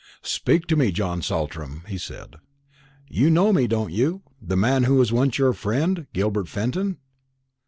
"Speak to me, John Saltram," he said. "You know me, don't you the man who was once your friend, Gilbert Fenton?"